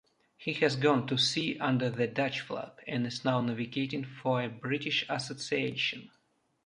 He has gone to sea under the Dutch flag and is now navigating for a British Association.